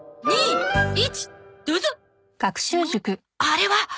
あれは！